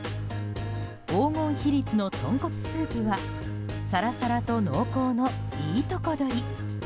黄金比率のとんこつスープはさらさらと濃厚のいいとこ取り。